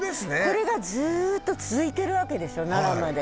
これがずっと続いてるわけでしょ奈良まで。